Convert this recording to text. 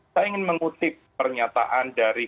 saya ingin mengutip pernyataan dari